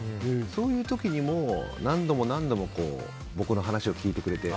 そういう時にも何度も何度も僕の話を聞いてくれて。